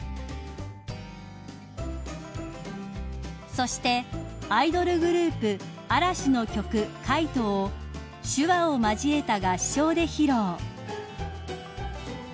［そしてアイドルグループ嵐の曲『カイト』を手話を交えた合唱で披露］